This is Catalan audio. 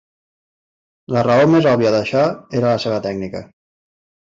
La raó més òbvia d'això era la seva tècnica.